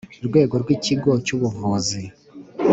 Rwego rw ikigo cy ubuvuzi